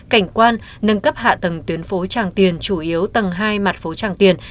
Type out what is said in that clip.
cảnh quan nâng cấp hạ tầng tuyến phố tràng tiền chủ yếu tầng hai mặt phố tràng tiền